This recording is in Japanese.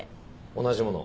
同じものを。